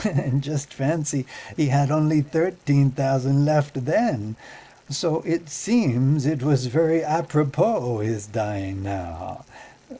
And just fancy, he had only thirteen thousand left then, so it seems it was very apropos his dying now.